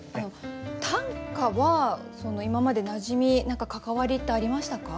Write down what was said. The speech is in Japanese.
短歌は今までなじみ何か関わりってありましたか？